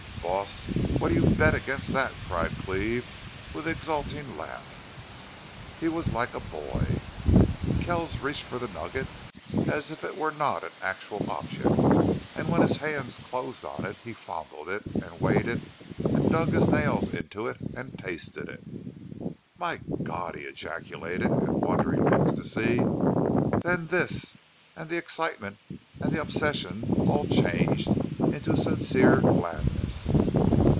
"Boss, what'll you bet against that?" cried Cleve, with exulting laugh. He was like a boy. Kells reached for the nugget as if it were not an actual object, and when his hands closed on it he fondled it and weighed it and dug his nails into it and tasted it. "My God!" he ejaculated, in wondering ecstasy. Then this, and the excitement, and the obsession all changed into sincere gladness.